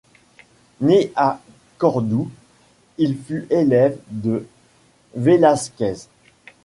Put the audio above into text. Né à Cordoue, il fut élève de Velasquez.